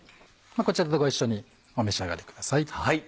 こちらとご一緒にお召し上がりください。